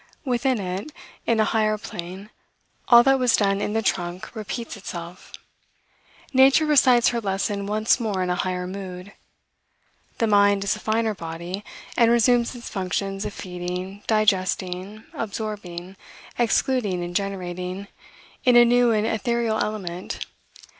Within it, on a higher plane, all that was done in the trunk repeats itself. Nature recites her lesson once more in a higher mood. The mind is a finer body, and resumes its functions of feeding, digesting, absorbing, excluding, and generating, in a new and ethereal element.